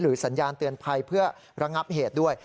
สัญญาณเตือนภัยเพื่อระงับเหตุด้วย